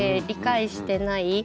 理解してない。